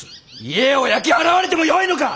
家を焼き払われてもよいのか！